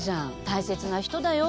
大切な人だよ。